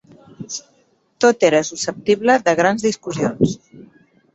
Tot era susceptible de grans discussions.